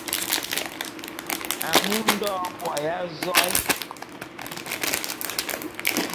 Amu Ondo aboya azoé.